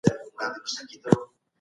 هغه سړی وویل چي زه خپل ځان پیژنم.